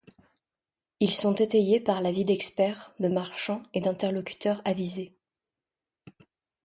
Ils sont étayés par l’avis d’experts, de marchands et d’interlocuteurs avisés.